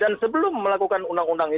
dan sebelum melakukan undang undang ini